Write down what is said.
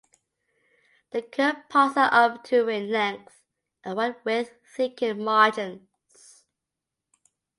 The curved pods are up to in length and wide with thickened margins.